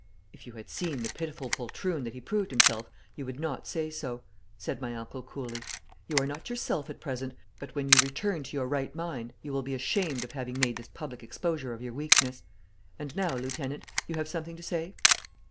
'If you had seen the pitiful poltroon that he proved himself you would not say so,' said my uncle coolly. 'You are not yourself at present, but when you return to your right mind you will be ashamed of having made this public exposure of your weakness. And now, lieutenant, you have something to say.'